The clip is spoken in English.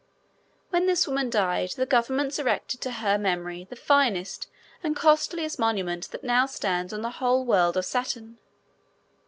When this woman died the governments erected to her memory the finest and costliest monument that now stands on the whole world of Saturn.